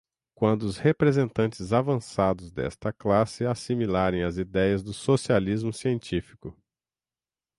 Quando os representantes avançados desta classe assimilarem as ideias do socialismo científico